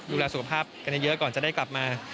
ดูแลสุขภาพกันเยอะก่อนจะได้กลับมา